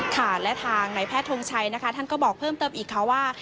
ค่ะและทางในแพทย์ทงชัยนะคะท่านก็บอกเพิ่มเติมอีกค่ะว่า